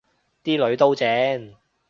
啲囡都正